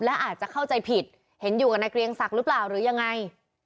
และอาจจะเข้าใจผิดเห็นอยู่กับนายเกรียงศักดิ์หรือเปล่าหรือยังไง